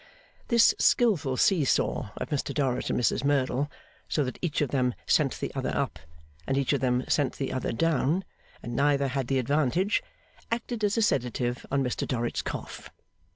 This skilful see saw of Mr Dorrit and Mrs Merdle, so that each of them sent the other up, and each of them sent the other down, and neither had the advantage, acted as a sedative on Mr Dorrit's cough.